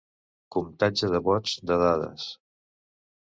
Comptatge de vots, de dades.